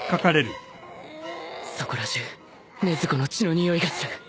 そこら中禰豆子の血のにおいがする